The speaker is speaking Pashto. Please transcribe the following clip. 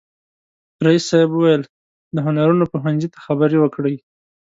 رئیس صاحب وویل د هنرونو پوهنځي ته خبرې وکړي.